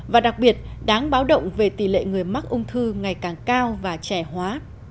và đặc biệt đáng báo động về tỷ lệ người mắc ung thư ngày càng cao và trẻ hóa